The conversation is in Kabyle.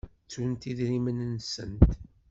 Ttunt idrimen-nsent.